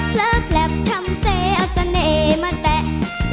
เพลิกแปลบทำเสียเสน่ห์มาแตะ